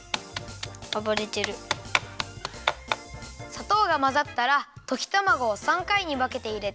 さとうがまざったらときたまごを３かいにわけていれて。